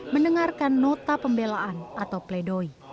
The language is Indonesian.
mendengarkan nota pembelaan atau pledoi